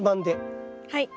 はい。